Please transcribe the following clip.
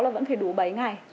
là vẫn phải đủ bảy ngày